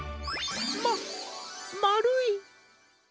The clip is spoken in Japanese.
ままるい！